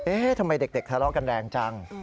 ทำไมเด็กทะเลาะกันแรงจัง